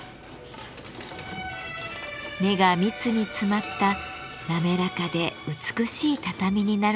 目が密に詰まった滑らかで美しい畳になるのだとか。